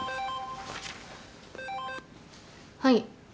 はい。